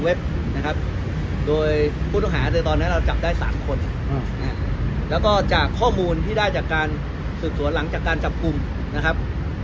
เป็นข้อมูลทางอ่าเทคนิควิทยาศาสตร์นะครับ